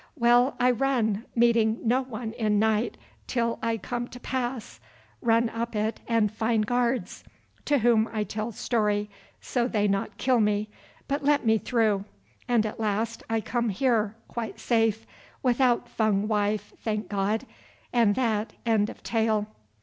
Well, I run, meeting no one in night, till I come to pass, run up it, and find guards, to whom I tell story, so they not kill me, but let me through, and at last I come here, quite safe, without Fung wife, thank God, and that end of tale."